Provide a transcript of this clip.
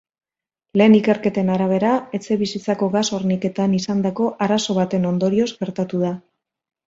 Lehen ikerketen arabera, etxebizitzako gas-horniketan izandako arazo baten ondorioz gertatu da.